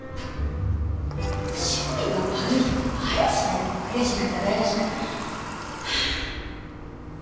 趣味が悪いったらありゃしないったらありゃしないったらありゃしない！